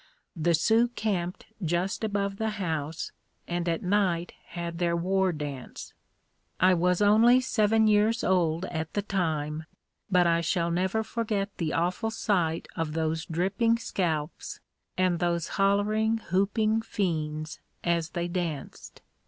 The Sioux camped just above the house, and at night had their war dance. I was only seven years old at the time, but I shall never forget the awful sight of those dripping scalps and those hollering, whooping fiends, as they danced.